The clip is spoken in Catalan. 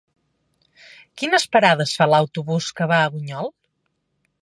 Quines parades fa l'autobús que va a Bunyol?